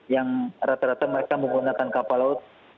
yang rata rata mereka menggunakan kapal laut